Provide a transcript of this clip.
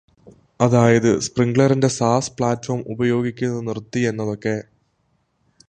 അതായത് സ്പ്രിങ്ക്ലറിന്റെ സാസ് പ്ലാറ്റ്ഫോം ഉപയോഗിക്കുന്നത് നിർത്തി എന്നതൊക്കെ